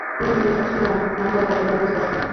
ঐ মৌসুমেই সহস্র রানের মাইলফলক প্রথমবারের মতো স্পর্শ করেন।